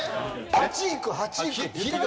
「８いく８いく」って言ってた。